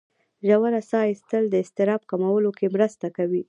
ژوره ساه ایستل د اضطراب کمولو کې مرسته کوي.